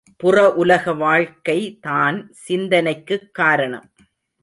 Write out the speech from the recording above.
புற உலக வாழ்க்கைதான் சிந்தனைக்குக் காரணம்.